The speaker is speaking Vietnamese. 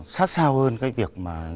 sát sao hơn việc nhắc nhở